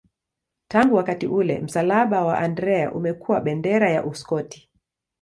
Tangu wakati ule msalaba wa Andrea umekuwa bendera ya Uskoti.